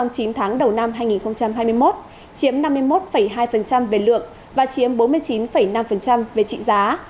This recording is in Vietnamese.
trong chín tháng đầu năm hai nghìn hai mươi một chiếm năm mươi một hai về lượng và chiếm bốn mươi chín năm về trị giá